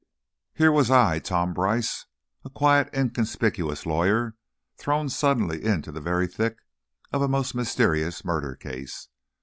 Here was I, Tom Brice, a quiet, inconspicuous lawyer, thrown suddenly into the very thick of a most mysterious murder case.